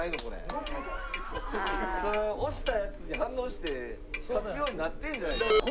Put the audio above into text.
押したやつに反応して勝つようになってるんじゃないですか？